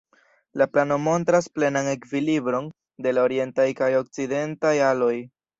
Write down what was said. La plano montras plenan ekvilibron de la orientaj kaj okcidentaj aloj.